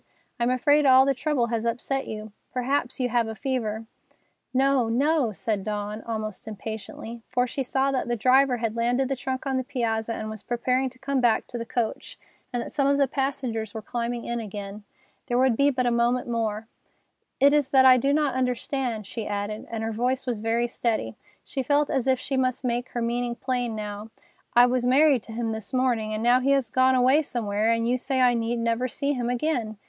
I'm afraid all the trouble has upset you. Perhaps you have a fever——" "No! No!" said Dawn, almost impatiently, for she saw that the driver had landed the trunk on the piazza and was preparing to come back to the coach, and that some of the passengers were climbing in again. There would be but a moment more. "It is I that do not understand," she added, and her voice was very steady. She felt as if she must make her meaning plain now. "I was married to him this morning, and now he is gone away somewhere, and you say I need never see him again.